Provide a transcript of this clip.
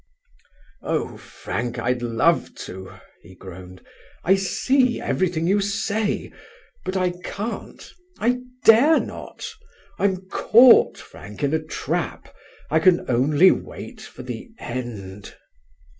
"Oh, Frank, I'd love to," he groaned. "I see everything you say, but I can't. I dare not. I'm caught, Frank, in a trap, I can only wait for the end."